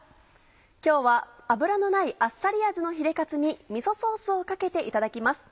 今日は脂のないあっさり味のヒレカツにみそソースをかけていただきます。